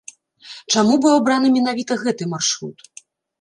Чаму быў абраны менавіта гэты маршрут?